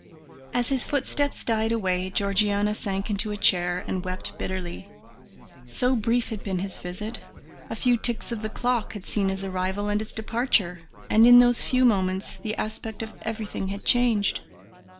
As his footsteps died away Georgiana sank into a chair and wept bitterly. So brief had been his visit a few ticks of the clock had seen his arrival and his departure; and in those few moments the aspect of everything had changed.